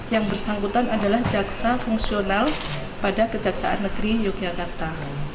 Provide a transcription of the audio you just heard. yang bersangkutan adalah jaksa fungsional pada kejaksaan negeri yogyakarta